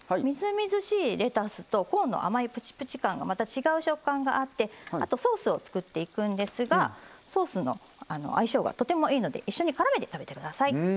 みずみずしいレタスとコーンの甘いプチプチ感がまた違う食感があってあとソースを作っていくんですがソースの相性がとてもいいので一緒にからめて食べてください。